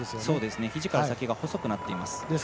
ひじから先が非常に細くなっています。